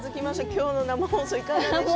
今日の生放送いかがでしたか？